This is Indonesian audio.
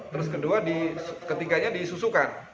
terus kedua ketiganya disusukan